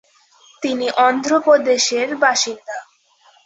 তিনি অন্ধ্রপ্রদেশের বাসিন্দা।